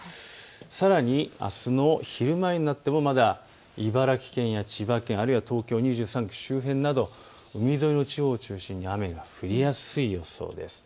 さらに、あすの昼前になってもまだ茨城県や千葉県、東京２３区周辺など海沿いの地方を中心に雨が降りやすい予想です。